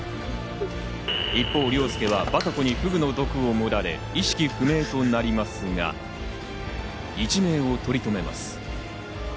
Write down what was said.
一方、凌介はバタコにフグの毒を盛られ、意識不明となりますが、一命を取り止めます。